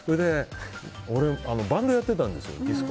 俺、バンドやってたんですよ。